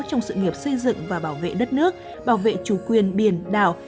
trong sự nghiệp xây dựng và bảo vệ đất nước bảo vệ chủ quyền biển đảo